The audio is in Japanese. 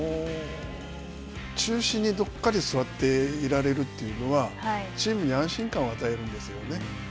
中心にどっかり座っていられるというのはチームに安心感を与えるんですよね。